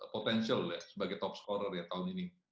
potensial sebagai topscorer tahun ini